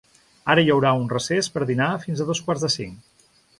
Ara hi haurà un recés per dinar fins a dos quarts de cinc.